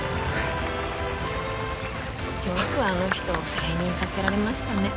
よくあの人を再任させられましたね